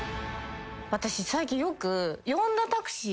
私最近よく。